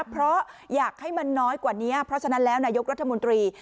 เพราะอยากให้มันน้อยกว่านี้เพราะฉะนั้นแล้วนายกรัฐมนตรี